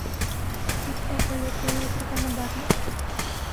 Тик бабайы тыңлай торғаны бармы?